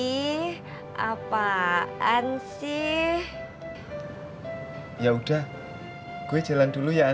iiih apaan sih ya udah gue jalan dulu ya